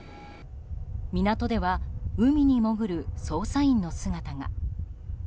港では、海に潜る捜査員の姿が。